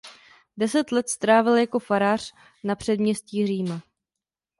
Deset let strávil jako farář na předměstí Říma.